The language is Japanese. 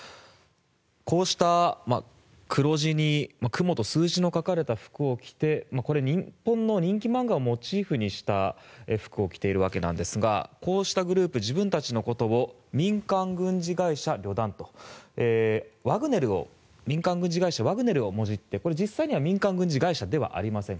こうした黒地にクモと数字の書かれた服を着てこれ、日本の人気漫画をモチーフにした服を着てるわけですがこうしたグループ自分たちのことを民間軍事会社リョダンと民間軍事会社ワグネルをもじって実際には民間軍事会社ではありません。